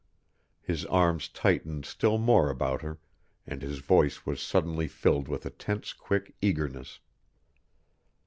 His arms tightened still more about her, and his voice was suddenly filled with a tense quick eagerness.